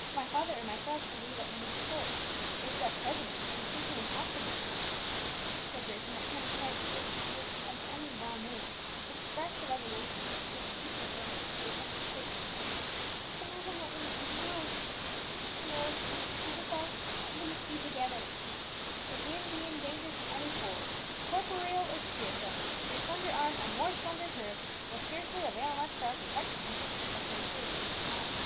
"For my father or myself to leave Myst Court at present is simply impossible," said Bruce, in that tone of quiet decision which, as Emmie well knew, expressed a resolution which it was useless for her to attempt to shake. "Then I will not leave you, no, no!" she murmured. "Let us all at least be together." "If we be in danger from any foe, corporeal or spiritual, your slender arm and more slender courage will scarcely avail much for our protection," observed Bruce, with a smile.